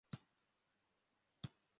Umugabo agenzura inyundo nini